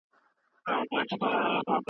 انټرنیټ د بې کارۍ په ورکولو کې مهم دی.